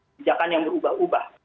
bijakan yang berubah ubah